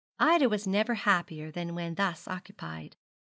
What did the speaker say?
Ida was never happier than when thus occupied.